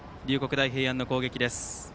大平安の攻撃です。